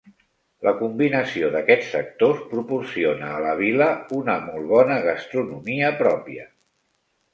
La combinació d'aquests sectors proporciona a la vila una molt bona gastronomia pròpia.